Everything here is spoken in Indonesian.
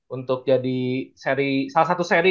untuk jadi salah satu seri